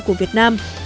của việt nam